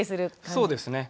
そうですね。